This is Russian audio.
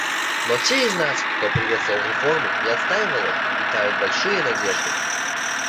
Но те из нас, кто приветствовал реформы и отстаивал их, питают большие надежды.